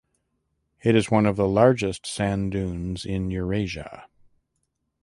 It is one of the largest sand dunes in Eurasia.